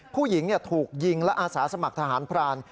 ผู้หญิงถูกยิงและอาสาสมัครทหารพราน